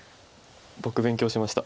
僕勉強しました。